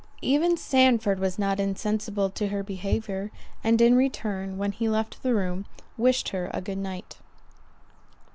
Even Sandford was not insensible to her behaviour, and in return, when he left the room, "Wished her a good night."